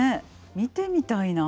見てみたいなあ。